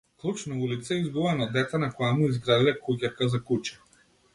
Клуч на улица, изгубен од дете на кое му изградиле куќарка за куче.